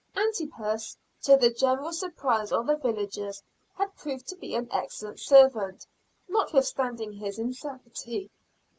Antipas, to the general surprise of the villagers had proved to be an excellent servant, notwithstanding his insanity.